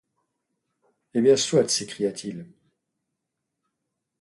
Eh bien soit, s'écria-t-il.